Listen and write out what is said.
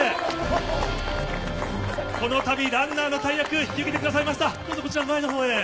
このたびランナーの大役を引き受けてくださいました。